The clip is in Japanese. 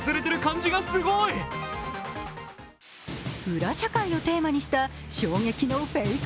裏社会をテーマにした衝撃のフェイク